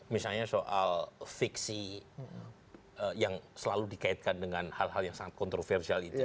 misalnya soal fiksi yang selalu dikaitkan dengan hal hal yang sangat kontroversial itu